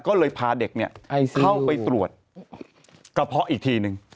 ก็เลยพาเด็กเนี่ยเข้าไปตรวจกระเพาะอีกทีนึง